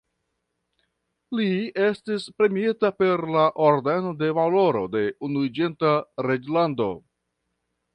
Li estis premiita per la Ordeno de Valoro de Unuiĝinta Reĝlando.